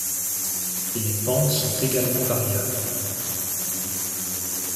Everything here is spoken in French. Les pentes sont également variables.